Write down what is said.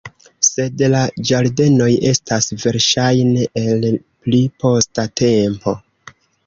Sed la ĝardenoj estas verŝajne el pli posta tempo.